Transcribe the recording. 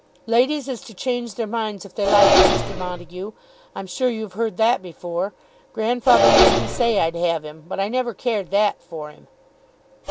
"Ladies is to change their minds if they like it, Mr. Montague. I'm sure you've heard that before. Grandfather made me say I'd have him, but I never cared that for him."